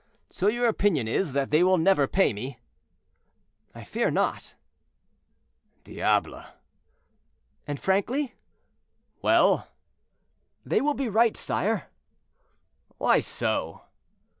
So your opinion is, that they will never pay me?" "I fear not." "Diable!" "And frankly—" "Well?" "They will be right, sire." "Why so?"